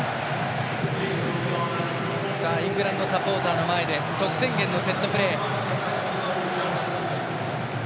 イングランドサポーターの前で得点源のセットプレー。